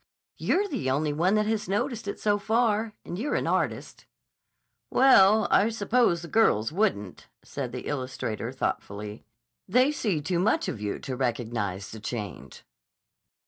"You're the only one that has noticed it so far, and you're an artist." "Well, I suppose the girls wouldn't," said the illustrator thoughtfully. "They see too much of you to recognize the change."